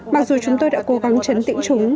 mặc dù chúng tôi đã cố gắng chấn tĩnh chúng